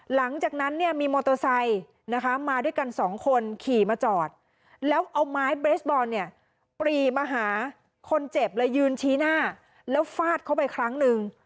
หลังจากนั้นเนี่ยมีมอเตอร์ไซค์นะคะมาด้วยกันสองคนขี่มาจอดแล้วเอาไม้เบรสบอลเนี่ยปรีมาหาคนเจ็บเลยยืนชี้หน้าแล้วฟาดเข้าไปครั้งหนึ่ง